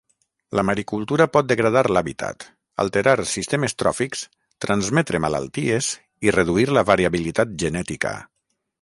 La maricultura pot degradar l'hàbitat, alterar sistemes tròfics, transmetre malalties i reduir la variabilitat genètica.